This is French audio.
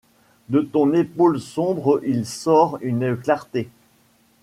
De ton épaule sombre il sort une clarté.